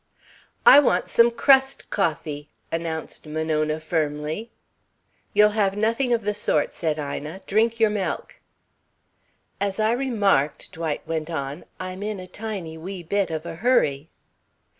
"I want some crust coffee," announced Monona firmly. "You'll have nothing of the sort," said Ina. "Drink your milk." "As I remarked," Dwight went on, "I'm in a tiny wee bit of a hurry."